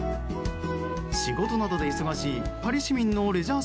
仕事などで忙しいパリ市民のレジャー